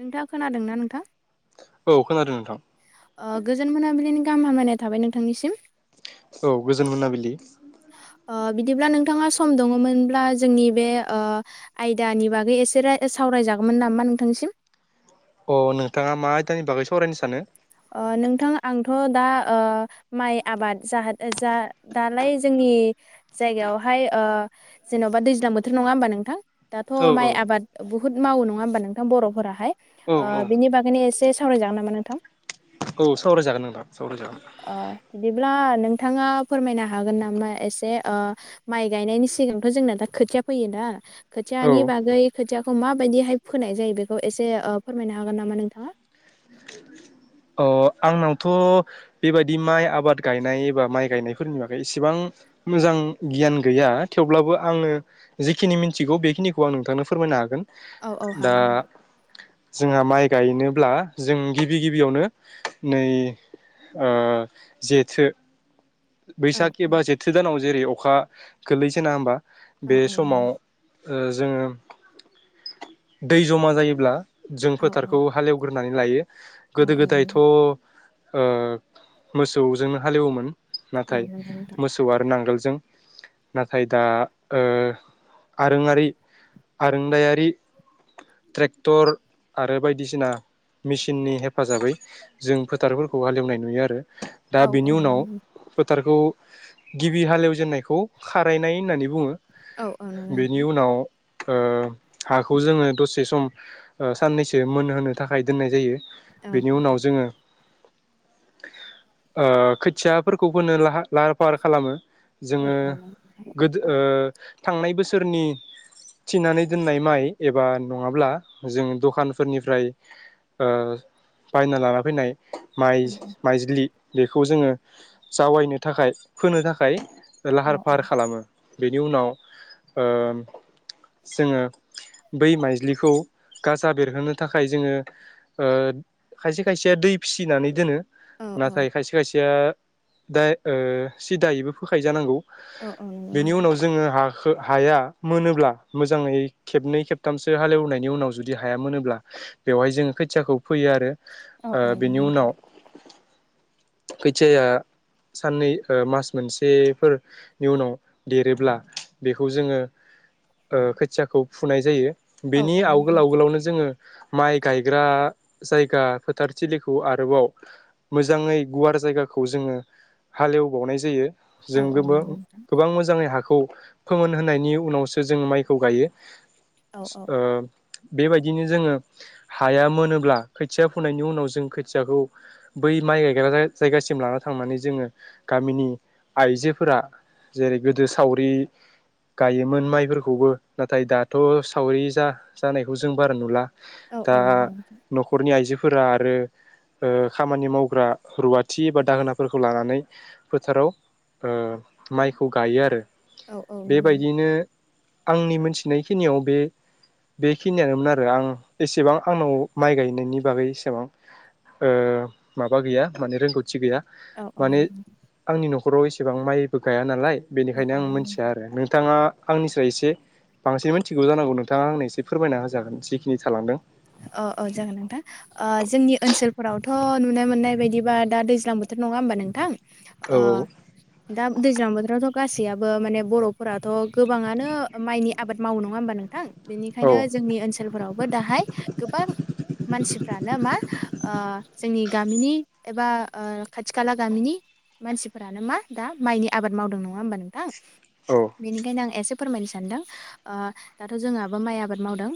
नोंथाङा खोनादोंना नोंथां? औ खोनादों नोंथां। गोजोन मोनाबिलिनि गाहाम हामायनाय थाबाय नोंथांनिसिम। औ गोजोन मोनाबिलि। ओ बिदिब्ला नोंथाङा सम दङमोनब्ला जोंनि बे ओ आयदानि बागै एसे रा सावरायजागौमोन नामा नोंथांनिसिम। अ नोंथाङा मा आयदानि बागै सावरायनो सानो? ओ नोंथां आंथ' दा ओ माइ आबाद जा जा दालाय जोंनि जायगायावहाय ओ जेन'बा दैज्लां बोथोर नङा होमबा नोंथां दाथ' औ माइ औ आबाद ब हुद मावो नङा होमबा नोंथां बर'फोराहाय औ ओ औ बिदिनि बागैनो एसे सावरायजागोन नामा नोंथां? औ सावराय जागोन नोंथां सावराय जागोन। ओ बिदिब्ला नोंथाङा फोरमायनो हागोन नामा एसे ओ माइ गायनायनि सिगांथ' जोंना दा खोथिया फैयोना औ खोथिआनि बागै खोथिया खौ माबायदिहाय फोनाय जायो बेखौ एसे ओ फोरमायनो हागोन नामा नोंथाङा? अ आंनावथ' बेबायदि माइ आबाद गायनाय एबा माइ गायनायफोरनि बागै इसेबां मोजां गियान गैया थेवब्लाबो आङो जिखिनि मिन्थिगौ बेखिनिखौ आं नोंथांनो फोरमायनो हागोन। औ औ दा हागोन। जोंहा माइ गायनोब्ला जों गिबि गिबियावनो नै ओ जेथो औ बैसाग औ एबा जेथो दानाव जेरै अखा गोलैजेना होमबा औ बे औ नंगौ समाव ओ जोङो दै जमा जायोब्ला जों औ फोथारखौ हालेवग्रो होननानै लायो। औ गोदो औ गोदायथ' नंगौ ओ मोसौजोंनो हालेवोमोन। औ नाथाय नंगौ नोंथां मोसौ आरो नांगोल जों नाथाय ओ दा आरोङारि आरोंदायारि ट्रेक्टर आरो बायदिसिना मेसिननि हेफाजाबै जों फोथारफोरखौ हालेवनाय नुयो आरो। औ औ औ। थारखौ गिबि हालेवजेननायखौ खारायनाय होननानै बुङो। बेनि नोंथां उनाव ओ हाखौ जोङो दसे सम साननैसो मोनहोनो थाखाय दोननाय जायो। बेनि औ उनाव जोङो ओ खोथिआ फोरखौ होनो ला लाहार फाहार खालामो औ जोङो औ नंगौ गोदो थांनाय बोसोरनि थिनानै दोननाय माइ एबा नङाब्ला जों दखानफोरनिफ्राय ओ बायना लाना फैनाय माइ औ माइज्लि बेखौ जोङो जावायनो थाखाय फोनो थाखाय ओ लाहार औ फाहार खालामो बेनि उनाव ओ जोङो बै माइज्लिखौ गाजा बेरहोनो थाखाय जोङो ओ खायसे खायसेया दै फिसिनानै दोनो औ नाथाय खायसे खायसेया दा ओ सिदायैबो फोखायो जानांगौ औ औ नंगौ बेनि नोंथां उनाव जोङो हा खो हाया मोनोब्ला मोजाङै खेबनै खेबथामसो हालेवनायनि उनाव जुदि हाया मोनोब्ला बेवहाय जोङो खोथियाखौ फैयो आरो औ औ खै खोथियाया साननै ओ मास मोनसेफोरनि उनाव देरोब्ला बेखौ जोङो ओ खोथियाखौ फुनाय जायो औ बेनि औ नंगौ आवगोल नोंथां आवगोलावनो जोङो माइ गायग्रा जायगा फोथारथिलिखौ आरोबाव मोजाङै गुवार जायगाखौ खौ जोङो हालेवबावनाय जायो जों औ औ नंगौ गोबां नोंथां गोबां मोजाङै हाखौ खौ फोमोन होनायनि उनावसो जों माइखौ गायो औ ओ बेबायदिनो जोङो हाया मोनोब्ला खोथिया फुनायनि उनाव जों खोथियाखौ बै माइ गायग्रा जायगासिम सिम लाना थांनानै जोङो गामिनि आइजोफोरा जेरै गोदो सावरि गायोमोन माइफोरखौबो नाथाय दाथ सावरि जा जानायखौ जों बारा नुला औ दा औ नंगौ नोंथां नखरनि आइजो फोरा आरो ओ खामानि मावग्रा रुवाथि थि बा दाहोनाफोरखौ लानानै फोथाराव ओ माइखौ गायो आरो औ औ नंगौ नोंथां बेबायदियैनो आंनि मोनथिनायखिनियाव बे बेखिनियानोमोन आरो आं एसेबां आंनाव माइ गायनायनि बागै एसेबां ओ माबा गैया माने रोंगौथि थि गैया औ औ माने आंनि नखराव एसेबां माइबो गाया नालाय औ बेनिखायनो औ आं मोथिया आरो नोंथाङा आंनिस्राय इसे बांसिन मिथिगौ जानांगौ नोंथाङा आंनो इसे फोरमायना होजागोन जिखिनि थालांदों ओ ओ जागोन नोंथां ओ जोंनि ओनसोलफोरावथ नुनो मोननाय बायदिबा दा दैज्लां बोथोर नङा होमबा नोंथां अ औ दा दैज्लां बोथोरावथ गासैयाबो माने बरफोराथ गोबाङानो माइनि आबाद मावो नङा होमबा नोंथां औ बेनिखायनो जोंनि ओनसोलफोरावबो दाहाय गोबां मानसिफ्रानो मा ओ जोंनि गामिनि एबा खाथि खाला गामिनि मानसिफोरानो मा दा माइनि आबाद मावदों नङा होमबा नोंथां औ बेनिखायनो आं एसे फोरमायनो सानदों दाथ' जोंहाबो माइ आबाद मावदों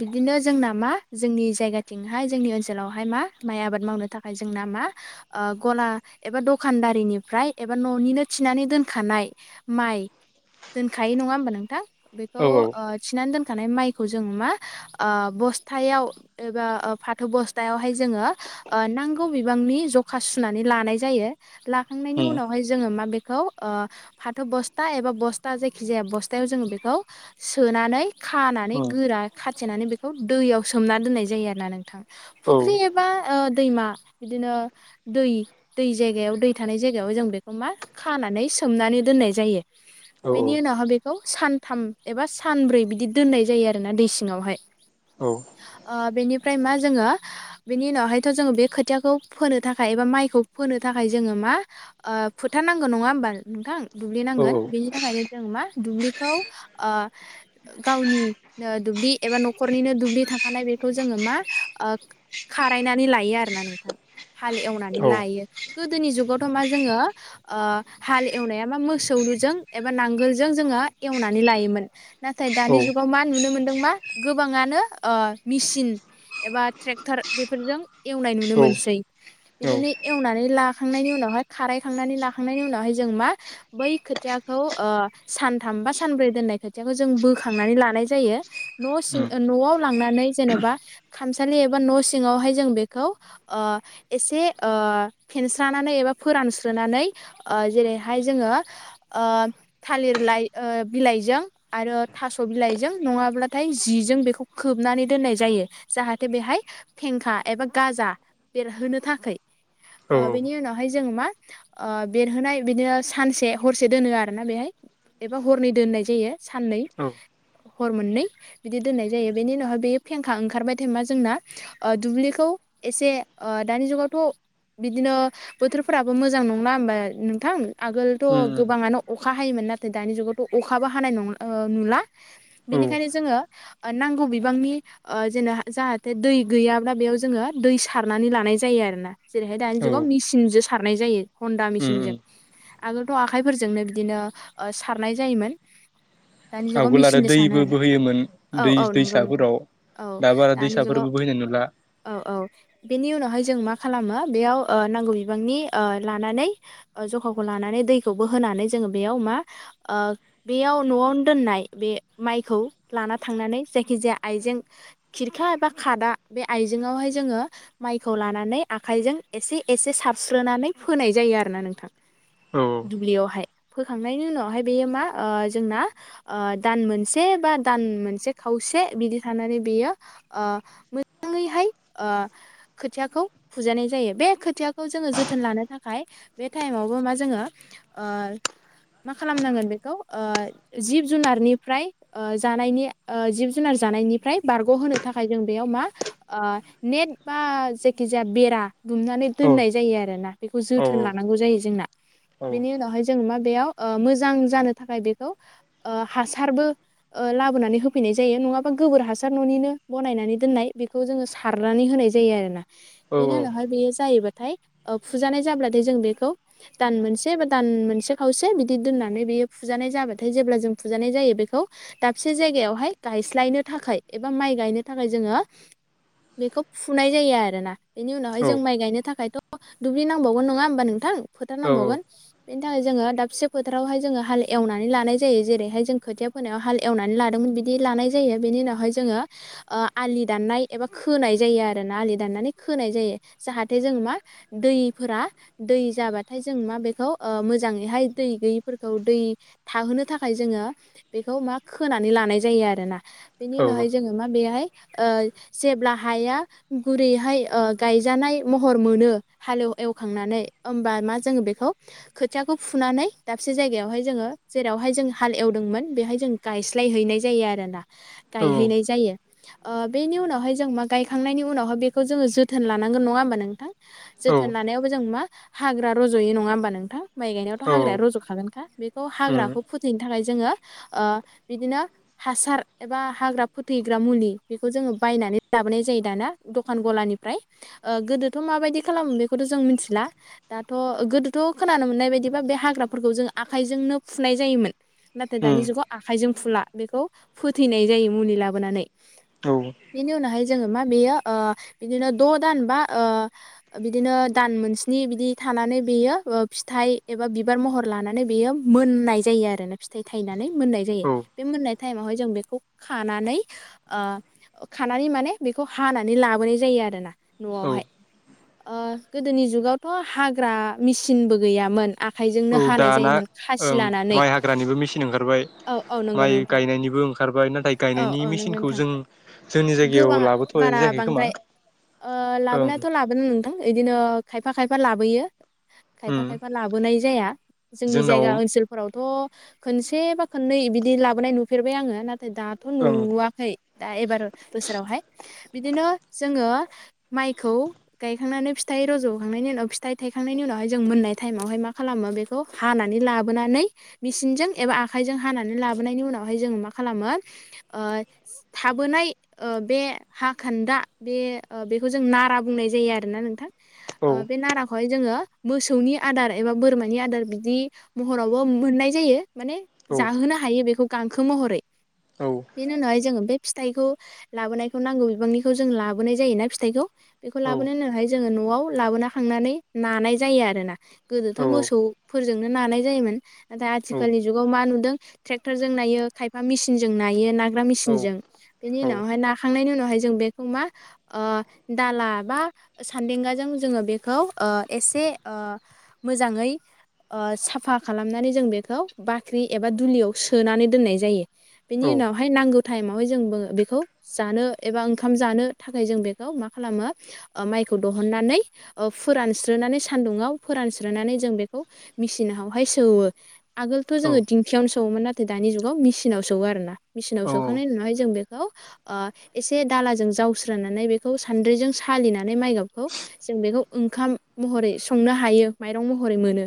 बिदिनो जोंना मा जोंनि जायगाथिंहाय जोंनि ओनसोलावहाय मा माइ आबाद मावनो थाखाय जोंना मा गला एबा दखानदारिनिफ्राय एबा न'निनो थिनानै दोनखानाय माइ दोनखाय नङा होमबा नोंथां। बेखौ औ थिनानै दोन माइखौ जों मा बस सपथायाव एबा फाथौ बस्थायावहाय जोङो नांगौ बिबांनि जखा सुनानै लानाय जायो। थांनायनि उनाव औ हाय जों मा बे खौ फाथो बस्था एबा बस्था जायखि जाया बस्थायाव जोङो बेखौ सोनानै औ खानानै उम गोरा खाथ थिनानै बेखौ दैयाव। सोमना दोननाय जायो आरोना नोंथां औ फुख्रि एबा दैमा बिदिनो दै दै जायगायाव दै थानाय जायगायाव जों बेखौ मा खानानै सोमनानै दोननाय जायो। औ बेनि उनावहा बेखौ सान थाम एबा सानब्रै बिदि दोननाय जायो आरोना दै सिङावहाय औ बेनिफ्राय मा जोङो बेनि उनावहायथ' जोङो बे खोथियाखौ फोनो थाखाय एबा माइखौ फोनो थाखाय जोङो मा फोथार नांगौ नङा होमबा नोंथां दुब्लि नांगोन बेनि थाखायनो जों मा दुब्लि गावनि दुब्लि एबा न'खरनिनो दुब्लि हानाय बेखौ जोङो मा खारायनानै लायो आरो ना नोंथां हालेवनानै औ लायो गोदोनि जुगावथ' मा जोङो हाल एवनाया मा मोसौजों एबा नांगोलजों जोङो एवनानै लायोमोन। नाथाय दानि जुगाव मा नुनो मोन मा गोबाङानो मेसिन एबा ट्रेक्टर बेफोरजों एवनाय नुनो औ मोनसै औ बिदिनो औ एवनानै ला खांनायनि उनावहाय खारखांनानै लाखांनायनि उनावहाय जों मा बै खोथियाखौ सानथाम बा सानब्रै दोननाय खोथिखौ जों बोखांनानै लानाय जायो न' न'आव लांनानै जेन'बा खामसालि एबा न' सिंङावहाय जों बेखौ एसे फेनस्रानानै एबा फोरानस्रोनानै जेरैहाय जोंङो थालिर लाइ बिलाइजों आरो थास' बिलाइजों नङाब्लाथाय जिजों खोबनानै दोननाय जायो जाहाथे बेहाय फेंखा एबा गाजा बेरहोनो थाखोय उम औ आ बेनि उनावहाय जों मा बेरहोनाय बिदिनो सानसे हरसे दोनो आरोना बेहाय एबा हरनै दोननाय जायो साननै हर मोननै बिदि दोननाय जायो बेनि उनावहाय बे फेंखा ओंखारबाय थाइ मा जोंना दुब्लिखौ एसे दानि जुगावथ' बिदिनो बोथोरफोराबो मोजां नंला होमबा नोंथां आगोलथ' उम गोबाङानो अखा हायोमोन नाथाय दानि जुगावथ' अखाबो हानाय नंला नुला उम बेनिखायनो जोङो नांगौ बिबांनि जेन जाहाथे दै गैयाब्ला बेयाव जोङो दै सारनानै लानाय जायो आरोना जेरैहाय दानि औ जुगाव मिसिनजों सारनाय जायो हन्दा उम उम मेचिनजों आगोलथ' आखाइफोरजोंनो बिदिनो सारनाय जायोमोन। दानि जुगाव आवगोल आरो मेसिनजों सानो दैबो आरोना बोहोयोमोन। औ दै औ नोंगौ नोंथां दैसाफोराव औ दा बारा दानि जुगाव दैसाफोरबो बोहैनाय नुला औ औ बेनि उनावहाय जों मा खालामो बेयाव ओ नांगौ बिबांनि लानानै जखाखौ लानानै दैखौबो होनानै जोङो बेयाव मा ओ बेयाव न'आवनो दोननाय बे माइखौ लाना थांनानै जायखिजाया आइजें खिरखा एबा खादा बे आइजेंआवहाय जोङो माइखौ लानानै आखाइजों एसे एसे सारस्रोनानै फोनाय जायो आरोना नोंथां औ दुब्लियावहाय फोखांनायनि उनावहाय बेयो मा जोंना दान मोनसे बा दान मोनसे खावसे बिदि थानानै बेयो ओ मोजाङैहाय ओ खोथियाखौ फुजानाय जायो बे खोथियाखौ जोङो जोथोन लानो थाखाय बे टाइमावबो मा जोङो ओ मा खालामनांगोन ओ बेखौ जिब जुनारनिफ्राय ओ जानायनि जिब जुनार जानायनिफ्राय बारग'होनो थाखाय जों बेयाव मा ओ नेट बा जायखि जाया बेरा दुमनानै औ दोननाय जायो आरोना बेखौ औ जोथोन लानांगौ जायो जोंना औ बेनि उनावहाय जों मा बेयाव ओ मोजां जानो थाखाय बेखौ ओ हासारबो ओ लाबोनानै होफैनाय जायो नङाबा गोबोर हासार न'निनो बनायनानै दोननाय बेखौ जोङो सारनानै होनाय जायो आरोना बेनि औ उनावहाय बेयो जायोबाथाय फुजानाय जाब्लाथाय जों बेखौ दान मोनसे बा दान मोनसे खावसे बिदि दोननानै बेयो फुजानाय जाबाथाय जेब्ला जों फुजानाय जायो बेखौ दाबसे जायगायावहाय गायस्लायनो थाखाय एबा माइ गायनो थाखाय जोङो बेखौ फुनाय जायो आरोना बेनि उनावहाय औ जों माइ गायनो थाखायथ' दुब्लि नांबावगोन नङा होमबा नोंथां फोथार औ औ नांबावगोन बेनि थाखाय जोङो दाबसे फोथारावहाय जोङो हाल एवनानै लानाय जायो जेरैहाय जों खोथिया फोनायाव हाल एवनानै लादोंमोन बिदि लानाय जायो बेनि उनावहाय जोङो आलि दाननाय एबा खोनाय जायो आरो ना आलि दाननानै खोनाय जायो जाहाथे जों मा दैफोरा दै जाबाथाय जों मा बेखौ मोजाङैहाय दै गैयिफोरखौ दै थाहोनो थाखाय जोङो। बेखौ मा खोनानै लानाय जायो आरोना बेनि औ उनावहाय जोङो मा बेहाय ओ जेब्ला हाया गुरैहाय गायजानाय महर मोनो हाल एव एवखांनानै होमबा मा जोङो बेखौ खोथियाखौ फुनानै दाबसे जायगायावहाय जोङो जेरावहाय जों हाल एवदोंमोन बेहाय जों गायस्लायहैनाय जायो आरोना औ गायहैनाय जायो ओ बेनि उनावहाय जों मा गायखांनायनि उनावहाय बेखौ जोङो जोथोन लानांगोन नङा होमबा नोंथां औ जोथोन लानायावबो जों मा हाग्रा रज'यो नङा होमबा नोंथां माइ गायनायावथ' औ हाग्राया रज'खागोनखा बेखौ उम हाग्राखौ फोथैनो थाखाय जोङो। ओ बिदिनो हासार एबा हाग्रा फोथैग्रा मुलि बेखौ जोङो बायनानै लाबोनाय जायो दाना दखान गलानिफ्राय ओ गोदोथ' माबायदि खालामो बेखौथ' जों मिथिला दाथ' गोदोथ' खोनानो मोननाय बायदिबा बे हाग्राफोरखौ जों आखाइजोंनो फुनाय जायोमोन नाथाय दानि उम जुगाव आखाइजों फुला बेखौ फोथैनाय जायो मुलि लाबोनानै औ बेनि उनावहाय जोङो मा बेयो बिदिनो ओ द'दान बा बिदिनो ओ दान मोनस्नि बिदि थानानै बेयो फिथाइ एबा बिबार महर लानानै बेयो मोननाय जायो आरो ना। थाय थायना नै मोनाय जायो औ बे मोन्नाय टाइमावहाय जों बेखौ खानानै ओ खानानै माने बेखौ हानानै लाबोनाय जायो आरोना। औ न'आवहाय। ओ गोदोनि जुगावथ' हाग्रा मेसिनबो गैयामोन। आखाइजोंनो औ हानाय दाना जायोमोन खासि ओं लानानै। माइ हाग्रानिबो मेचिन ओंखारबाय औ औ नंगौ माइ नोंथां गायनायनिबो ओंखारबाय नाथाय औ गायनायनि औ नंगौ मेचिनखौ नोंथां जों जोंनि जायगायाव गोबां लाबोथ'नाय बारा जायाखै बांद्राय खोमा ओ ओं। लाबोनायाथ' लाबोनो नोंथां इदिनो खायफा खायफा लाबोयो खायफा उम खायफा लाबोनाय जाया जोंनि जोंनाव जायगा ओनसोलफोरावथ' खनसे बा खननै बिदि लाबोनाय नुफेरबाय आङो ना नाथाय दाथ' ओं नुवाखै दा एबार बोसोरावहाय। बिदिनो जोङो माइखौ गायखांनानै फिथाइ रज'खांनायनि उनाव फिथाइ थायखांनायनि उनावहाय जों मोननाय टाइमावहाय मा खालामो बेखौ हानानै लाबोनानै मेचिनजों बि एबा आखाइजों हानानै लाबोनायनि उनावहाय जोंङो मा खालामो थाबोनाय बे हाखान्दा बे बेखौ जों नारा बुंनाय जायो आरोना नोंथां। आ बे नाराखौ हाय जोङो मोसौनि आदार एबा बोरमानि आदार बिदि महरावबो मोननाय जायो। माने औ जाहोनो हायो बेखौ। गांखो महरै औ बेनि उनावहाय जोङो बे फिथाइखौ लाबोनायखौ नांगौ बिबांनिखौ जों लाबोनाय जायोना फिथाइखौ बेखौ औ लाबोनाय उनाव हाय जोङो न'आव लाबोना खांनानै नानाय जायो आरोना गोदोथ' औ मोसौफोरजोंनो नानाय जायोमोन। आथिखालनि जुगाव मा नुदों ट्रेक्टरजों नायो खायफा मेसिनजों नायो ना ग्रा औ मेसिन बेनि उनावहाय नाखांनायनि उनाव फ्राय जों बेखौ मा ओ दाला बा सान्देंगाजों जङो बेखौ ओ एसे ओ मोजाङै ओ साफा खालामनानै जों बेखौ बाख्रि एबा दुलियाव सोनानै दोननाय जायो बेनि औ उनावहाय नांगौ टाइमावहाय जोंबो बेखौ जानो एबा ओंखाम जानो थाखाय जों बेखौ मा खालामो ओ माइखौ दहननानै फोरानस्रोनानै सानदुङाव फोरानस्रोनानै जों बेखौ मिचिनावहाय सौवो आगोलथ' जोंङो दिंखयावनो स वोमोन नाथाय दानि जुगाव मिचिनाव सौवो आरोना मिचिनाव औ सौखांनायनि उनावहाय जों बेखौ ओ एसे दालाजों जावस्रोनानै बेखौ सान्द्रिजों सालिनानै माइ गाबखौ जों बेखौ ओंखाम महरै संनो हायो माइरं महरै मोनो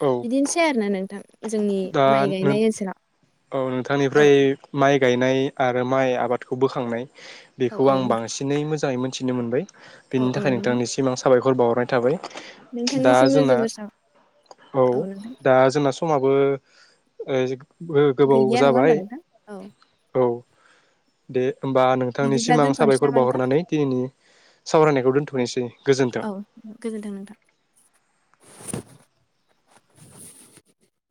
औ बिदिनोसै आरोना नों थां दा नो औ औ नोंथांनिफ्राय माइ गायनाय आरो माइ आबादखौ बोखांनाय औ बेखौ औ आं नोंथां बांसिनै मोजाङै मोन थिनो मोनबाय औ बिनि औ थाखाय नोंथां नोंथांनि सिम साबाय खर बावहरनाय थाबाय दा नोंथांनिसिमबो जोंना जोबोर साब औ दा जोंना स समाबो माबो ओ बो गोबाव गैलिया नङा जाबाय होमबा नोंथां औ औ दे होमबा नोंथांनि बिदिब्ला सिमां दोनथ'नोसै साबायखर नामा नोंथां बावहरनानै दिनैनि सावरायनायखौ दोनथ'नोसै गोजोन्थों औ गोजोन्थों नोंथां [inaudible]